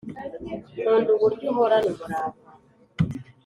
nkunda uburyo uhorana umurava